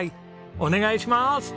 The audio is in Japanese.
お願いします！